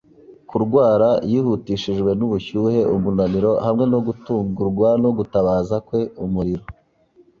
kurwara; yihutishijwe n'ubushyuhe, umunaniro, hamwe no gutungurwa no gutabaza kwe, umuriro,